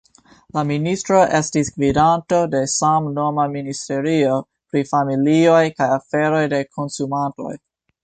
La ministro estis gvidanto de samnoma ministerio pri familioj kaj aferoj de konsumantoj.